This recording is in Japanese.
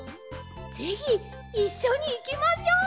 ぜひいっしょにいきましょう！